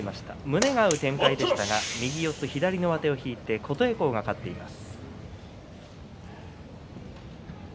胸が合う展開でしたが右四つ、左の上手を引いて琴恵光が勝っています。